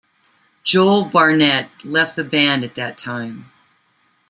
Joel Barnett left the band at that time.